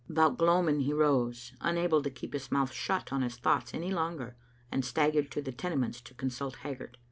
About gloaming he rose, unable to keep his mouth shut on his thoughts any longer, and staggered to the Tenements to consult Haggart.